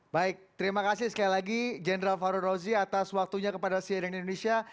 baik terima kasih sekali lagi jenderal farul rozi atas waktunya kepada sia dengan indonesia